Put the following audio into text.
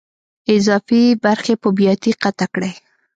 اضافي برخې په بیاتي قطع کړئ.